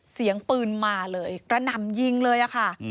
เสียงปืนมาเลยกระหน่ำยิงเลยอะค่ะ